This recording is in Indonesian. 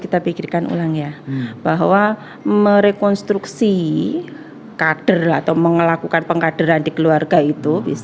dikitkan ulang ya bahwa merekonstruksi kader atau melakukan pengadaran di keluarga itu bisa